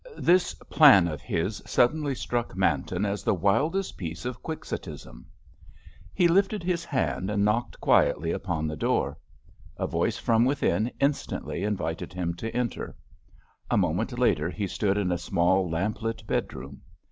This plan of his suddenly struck Manton as the wildest piece of quixotism. He lifted his hand and knocked quietly upon the door. A voice from within instantly invited him to enter. A moment later he stood in a small lamp lit bedroom.